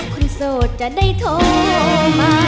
โสดจะได้โทรมา